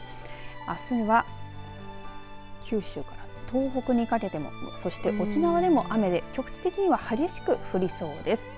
あすは九州から東北にかけてもそして沖縄でも雨で局地的には激しく降りそうです。